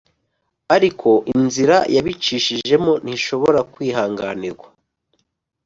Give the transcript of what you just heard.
Ariko inzira yabicishijemo ntishobora kwihanganirwa